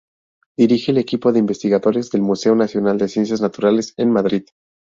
Dirige el equipo de investigadores del Museo Nacional de Ciencias Naturales en Madrid.